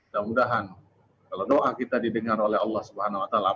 dan mudah mudahan kalau doa kita didengar oleh allah swt apalagi menjelang bulan ramadan